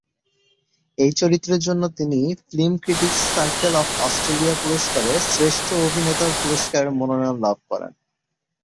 এই চরিত্রের জন্য তিনি film critics circle of Australia পুরস্কার এ শ্রেষ্ঠ অভিনেতার পুরস্কারের মনোনয়ন লাভ করেন।